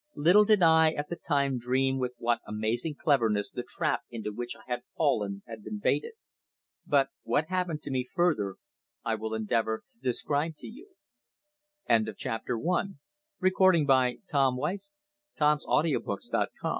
Little did I at the time dream with what amazing cleverness the trap into which I had fallen had been baited. But what happened to me further I will endeavour to describe to you. CHAPTER THE SECOND THE SISTER'S STORY A strange sensation crept ove